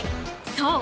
［そう。